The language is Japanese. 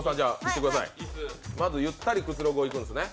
まずゆったりくつろぐ、いくんですね。